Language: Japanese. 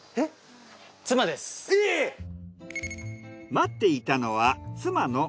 待っていたのは。